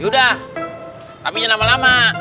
yaudah tapi jangan lama lama